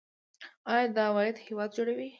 آیا دا عواید هیواد جوړوي؟